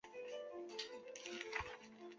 成泰四年。